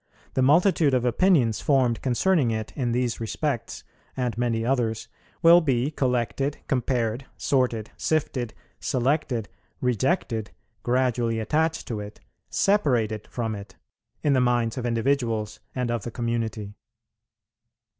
The multitude of opinions formed concerning it in these respects and many others will be collected, compared, sorted, sifted, selected, rejected, gradually attached to it, separated from it, in the minds of individuals and of the community.